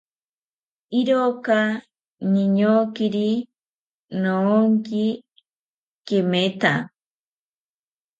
Iroka niñokiri noonki kemetha